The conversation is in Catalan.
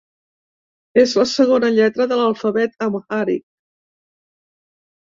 És la segona lletra de l'alfabet amhàric.